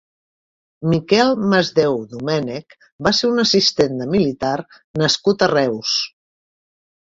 Miquel Masdeu Domènech va ser un assistent de militar nascut a Reus.